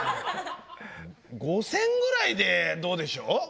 ５，０００くらいでどうでしょう？